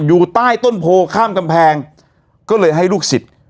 อยู่ใต้ต้นโพข้ามกำแพงก็เลยให้ลูกศิษย์